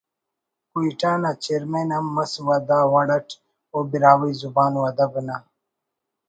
کوئٹہ نا چیئرمین ہم مس و دا وڑ اٹ او براہوئی زبان و ادب نا